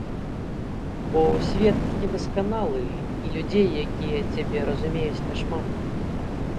Бо свет недасканалы, і людзей, якія цябе разумеюць, няшмат.